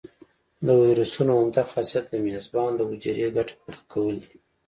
د ویروسونو عمده خاصیت د میزبان له حجرې ګټه پورته کول دي.